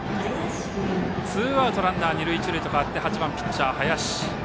ツーアウトランナー、二塁一塁と変わって打席には８番ピッチャー、林。